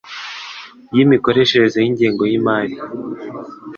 y imikoreshereze y ingengo y’imari